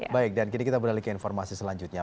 baik dan kita berlalui ke informasi selanjutnya